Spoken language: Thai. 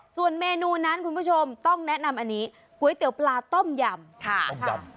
ส่วนเมนูนั้นคุณผู้ชมต้องแนะนำอันนี้ก๋วยเตี๋ยวปลาต้มยำค่ะ